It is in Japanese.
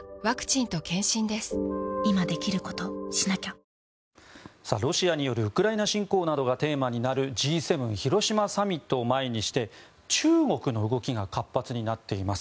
フランス、ドイツ、ロシアのロシアによるウクライナ侵攻などがテーマになるＧ７広島サミットを前にして中国の動きが活発になっています。